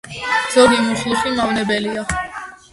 ზოგი მუხლუხი მავნებელია.